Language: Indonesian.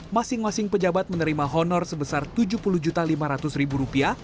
masing masing pejabat menerima honor sebesar rp tujuh puluh lima ratus